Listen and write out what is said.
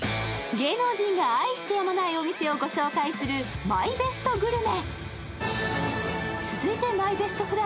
芸能人が愛してやまないお店を紹介するマイベストグルメ。